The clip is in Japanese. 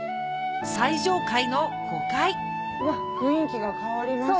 最上階の５階雰囲気が変わりました。